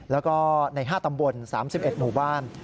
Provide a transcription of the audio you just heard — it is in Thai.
แล้วก็ใน๕ตำบล๓๑หมู่บ้าน